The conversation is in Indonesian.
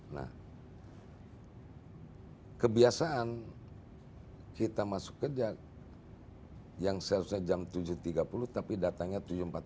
nah kebiasaan kita masuk kerja yang seharusnya jam tujuh tiga puluh tapi datangnya tujuh empat puluh